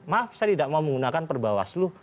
maaf saya tidak mau menggunakan perbawaslu